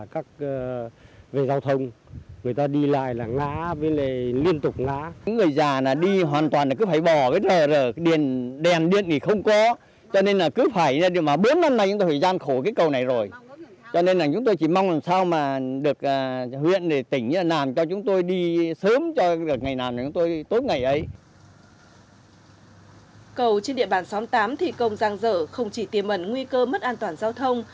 cầu trên địa bàn xóm tám thi công giang rở không chỉ tiềm ẩn nguy cơ mất an toàn giao thông